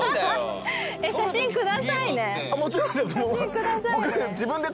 もちろんです。